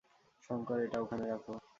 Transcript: শঙ্কর, এটা ওখানে রাখ।